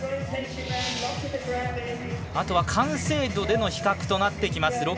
あとは完成度での比較となってきます。